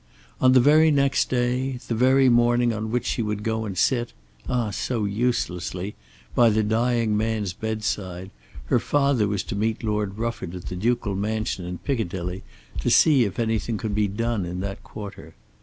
On the very next day, the very morning on which she would go and sit, ah so uselessly, by the dying man's bedside, her father was to meet Lord Rufford at the ducal mansion in Piccadilly, to see if anything could be done in that quarter!